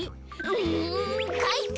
うんかいか！